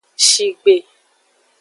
Shigbe.